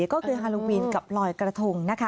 ก็คือฮาโลวีนกับลอยกระทง